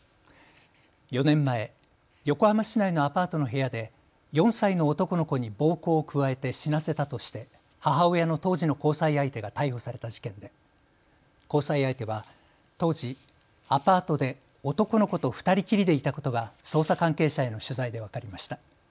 ４年前、横浜市内のアパートの部屋で４歳の男の子に暴行を加えて死なせたとして母親の当時の交際相手が逮捕された事件で交際相手は当時、アパートで男の子と２人きりでいたことが捜査関係者への取材で分かりました。